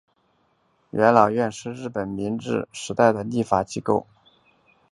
元老院是日本明治时代的立法机构。